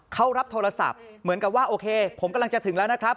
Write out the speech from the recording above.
เขารับโทรศัพท์เหมือนกับว่าโอเคผมกำลังจะถึงแล้วนะครับ